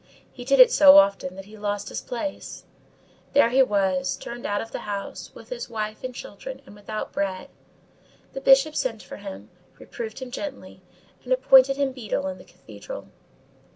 He did it so often that he lost his place. There he was, turned out of the house, with his wife and children, and without bread. The Bishop sent for him, reproved him gently, and appointed him beadle in the cathedral.